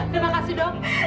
terima kasih dok